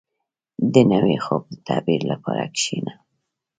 • د نوي خوب د تعبیر لپاره کښېنه.